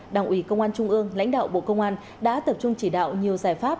đảng ủy công an trung ương lãnh đạo bộ công an đã tập trung chỉ đạo nhiều giải pháp